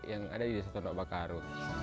yang ada di desa tondok bakaru